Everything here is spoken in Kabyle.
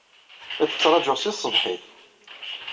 La tt-ttṛajuɣ seg tṣebḥit.